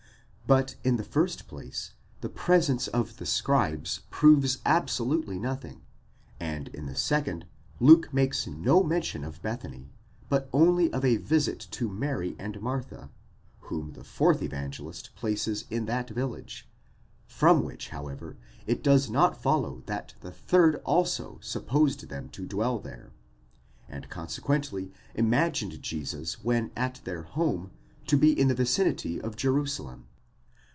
® But, in the first place, the presence of the scribes proves absolutely nothing ; and in the second, Luke makes no. mention of Bethany, but only of a visit to Mary and Martha, whom the fourth Evangelist places in that village: from which, however, it does not follow that the third also supposed them to dwell there, and consequently imagined Jesus when at their home, to be in the vicinity of Jerusalem.